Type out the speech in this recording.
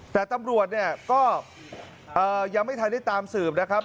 แต่ตำรวจเนี่ยก็ยังไม่ทันได้ตามสืบนะครับ